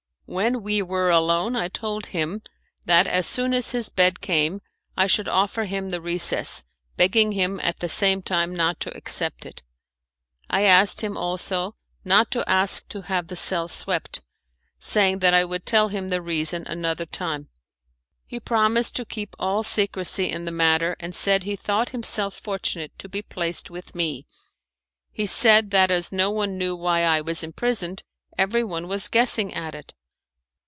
When we were alone I told him that, as soon as his bed came, I should offer him the recess, begging him at the same time not to accept it. I asked him, also, not to ask to have the cell swept, saying that I would tell him the reason another time. He promised to keep all secrecy in the matter, and said he thought himself fortunate to be placed with me. He said that as no one knew why I was imprisoned, everyone was guessing at it.